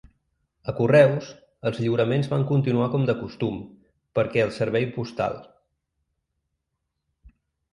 A correus, els lliuraments van continuar com de costum perquè el servei postal.